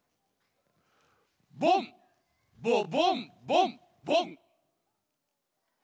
ボンボボンボンボン。